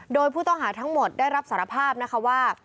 โดยผู้ต้องหาทั้งหมดได้รับสารภาพนะคะว่า